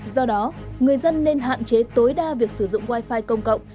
do đó người dân nên hạn chế tối đa việc sử dụng wifi công cộng